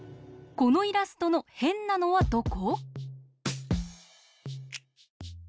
このイラストのへんなのはどこ？